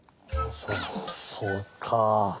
そそうか。